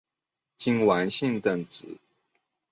金丸信等职。